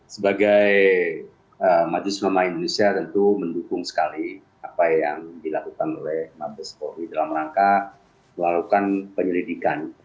sebagai majelis nama indonesia tentu mendukung sekali apa yang dilakukan oleh mabes polri dalam rangka melakukan penyelidikan